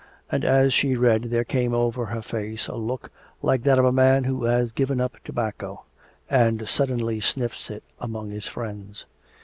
And as she read there came over her face a look like that of a man who has given up tobacco and suddenly sniffs it among his friends.